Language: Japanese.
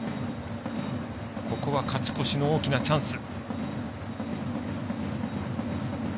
ここは勝ち越しの大きなチャンス。